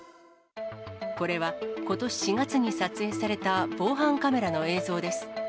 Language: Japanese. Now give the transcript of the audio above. これはことし４月に撮影された防犯カメラの映像です。